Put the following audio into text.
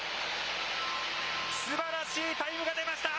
すばらしいタイムが出ました。